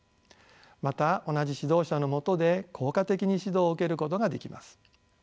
また同じ指導者のもとで効果的に指導を受けることができます。